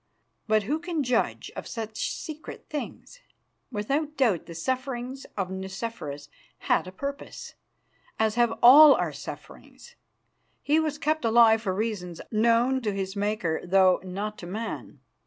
But who can judge of such secret things? Without doubt the sufferings of Nicephorus had a purpose, as have all our sufferings. He was kept alive for reasons known to his Maker though not to man.